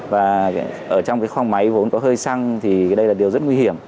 và ở trong cái kho máy vốn có hơi xăng thì đây là điều rất nguy hiểm